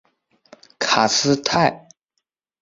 卡斯泰。